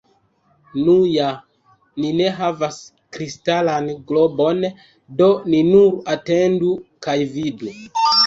Nu ja, ni ne havas kristalan globon, do ni nur atendu kaj vidu.